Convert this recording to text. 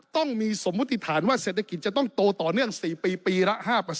ต้องมีสมมุติฐานว่าเศรษฐกิจจะต้องโตต่อเนื่อง๔ปีปีละ๕